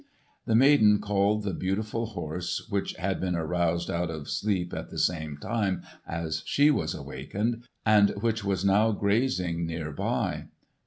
The maiden called the beautiful horse, which had been aroused out of sleep at the same time she was awakened, and which was now grazing near by.